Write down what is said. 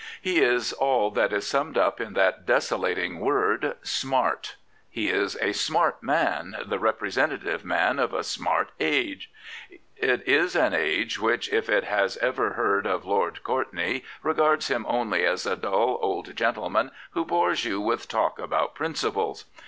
He is all that is summed up in that desolating word ' smart/ He is a ' smart * man, the repre sentative man of a ^ smart ' age. It is an age which, if it has ever heard of Lord Courtney, regards him only as a dull old gentleman who bores you with talk about principles.